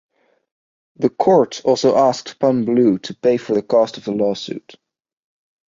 The Court also asked Pan-Blue to pay for the cost of the lawsuit.